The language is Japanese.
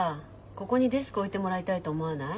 ここにデスク置いてもらいたいと思わない？